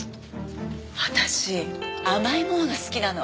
私甘いものが好きなの。